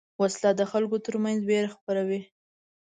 وسله د خلکو تر منځ وېره خپروي